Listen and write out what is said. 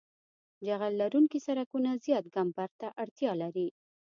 جغل لرونکي سرکونه زیات کمبر ته اړتیا لري